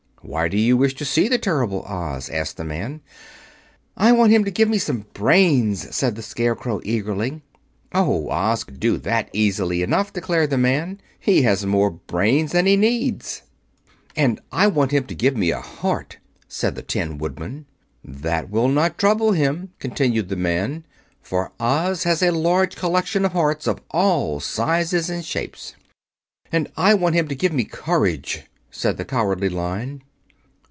"Why do you wish to see the terrible Oz?" asked the man. "I want him to give me some brains," said the Scarecrow eagerly. "Oh, Oz could do that easily enough," declared the man. "He has more brains than he needs." "And I want him to give me a heart," said the Tin Woodman. "That will not trouble him," continued the man, "for Oz has a large collection of hearts, of all sizes and shapes." "And I want him to give me courage," said the Cowardly Lion.